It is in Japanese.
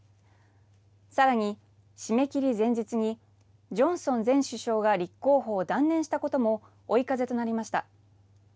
さらに締め切り前日に、ジョンソン前首相が立候補を断念したことも、追い風となりました。